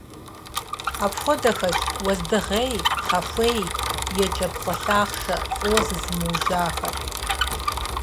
Апхуэдэхэщ уэздыгъей, пхъэхуей, екӀэпцӀэ лъахъшэ, фӀыуэ зызымыужьахэр.